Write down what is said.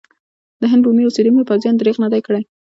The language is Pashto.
د هند بومي اوسېدونکو پوځیانو درېغ نه دی کړی.